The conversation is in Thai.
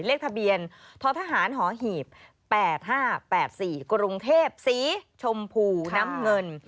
เลขทะเบียนททหารหอหีบ๘๕๘๔กรุงเทพสีชมพูน้ำเงิน